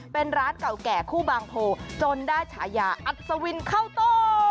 เป็นร้านเก่าแก่คู่บางโพจนได้ฉายาอัศวินข้าวโต